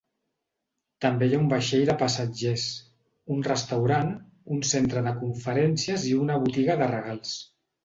També hi ha un vaixell de passatgers, un restaurant, un centre de conferències i una botiga de regals.